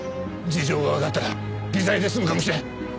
事情がわかったら微罪で済むかもしれん。